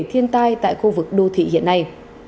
thiên tai tại khu vực đô thị hiện nay